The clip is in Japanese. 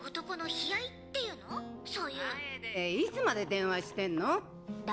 楓いつまで電話してんの？だって！